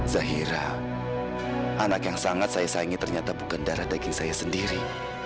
zahira anak yang sangat saya sayangi ternyata bukan darah daging saya sendiri